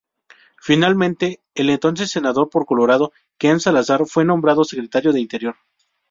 Finalmente, el entonces senador por Colorado, Ken Salazar, fue nombrado Secretario de Interior.